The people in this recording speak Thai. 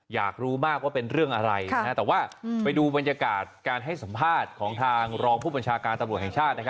อยากรู้มากว่าเป็นเรื่องอะไรแต่ว่าไปดูบรรยากาศการให้สัมภาษณ์ของทางรองผู้บัญชาการตำรวจแห่งชาติ